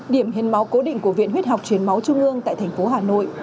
điểm hiến máu cố định của viện huyết học truyền máu trung ương tại thành phố hà nội